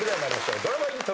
ドラマイントロ。